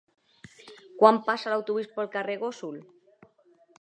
Quan passa l'autobús pel carrer Gósol?